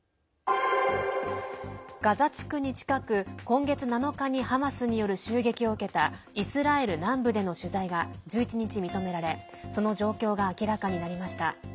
ガザ地区に近く今月７日にハマスによる襲撃を受けたイスラエル南部での取材が１１日、認められその状況が明らかになりました。